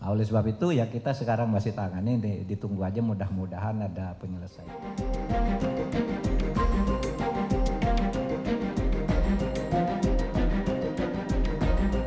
oleh sebab itu ya kita sekarang masih tangani ditunggu aja mudah mudahan ada penyelesaian